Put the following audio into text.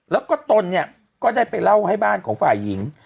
แล้วก็ตนเนี่ยก็ได้ไปเล่าให้บ้านของฝ่ายหญิง